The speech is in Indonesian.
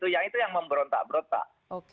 yang itu yang memberontak berontak